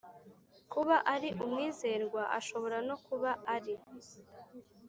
Kuba ari umwizerwa ashobora no kuba ari